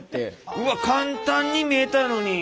うわっ簡単に見えたのに。